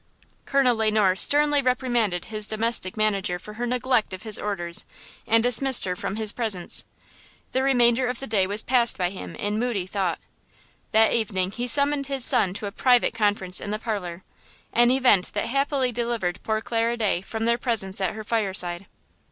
Colonel Le Noir sternly reprimanded his domestic manager for her neglect of his orders and dismissed her from his presence. The remainder of the day was passed by him in moody thought. That evening he summoned his son to a private conference in the parlor–an event that happily delivered poor Clara Day from their presence at her fireside.